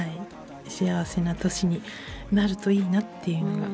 幸せな年になるといいなっていうのが。